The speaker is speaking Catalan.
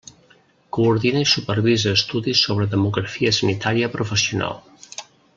Coordina i supervisa estudis sobre demografia sanitària professional.